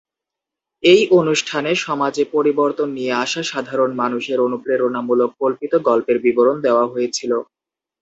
এই অনুষ্ঠানে সমাজে পরিবর্তন নিয়ে আসা সাধারণ মানুষের অনুপ্রেরণামূলক কল্পিত গল্পের বিবরণ দেওয়া হয়েছিল।